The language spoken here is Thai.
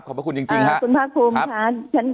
ขอบพระคุณแห่งสูง